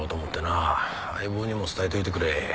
相棒にも伝えておいてくれ。